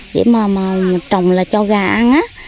vậy mà trồng là cho gà ăn á